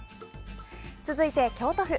続いて京都府。